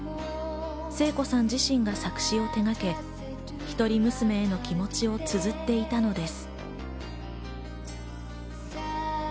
聖子さん自身が作詞を手がけ、一人娘への気持ちをつづっていたのです。